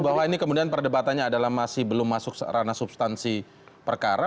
bahwa ini kemudian perdebatannya adalah masih belum masuk ranah substansi perkara